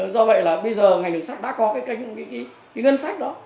do vậy là bây giờ ngành đường sắt đã có cái ngân sách đó